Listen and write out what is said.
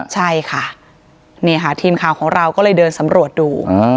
ใช่ค่ะนี่ค่ะทีมข่าวของเราก็เลยเดินสำรวจดู